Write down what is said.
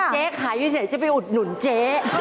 เจ๊ขายอยู่ไหนจะไปอุดหนุนเจ๊